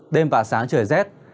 đêm và sáng trời rét